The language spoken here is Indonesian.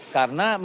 karena menurut saya